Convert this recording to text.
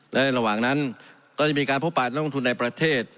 และในระหว่างนั้นก็จะมีการพบปะนักลงทุนในประเทศ